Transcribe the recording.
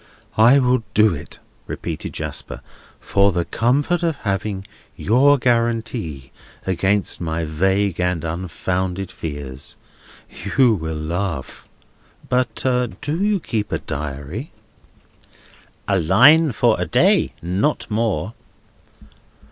"I will do it," repeated Jasper, "for the comfort of having your guarantee against my vague and unfounded fears. You will laugh—but do you keep a Diary?" "A line for a day; not more."